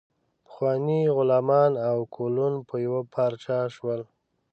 پخواني غلامان او کولون په یوه پارچه شول.